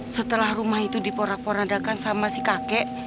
setelah rumah itu diporak porandakan sama si kakek